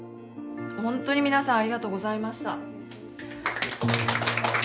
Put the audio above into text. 本当に皆さんありがとうございました